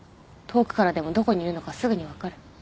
遠くからでもどこにいるのかすぐに分かる。